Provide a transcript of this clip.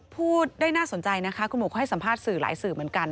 พูดได้น่าสนใจนะคะคุณบุ๋เขาให้สัมภาษณ์สื่อหลายสื่อเหมือนกัน